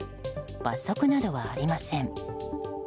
罰則などはありません。